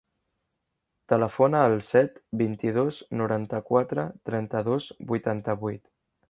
Telefona al set, vint-i-dos, noranta-quatre, trenta-dos, vuitanta-vuit.